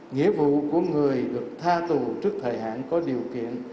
nghĩa vụ của người được tha tù trước thời hạn có điều kiện